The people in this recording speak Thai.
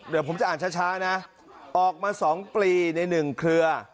เดี๋ยวผมจะอ่านช้านะออกมา๒ปลีใน๑เครือ